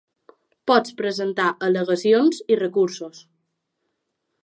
Pots presentar al·legacions i recursos.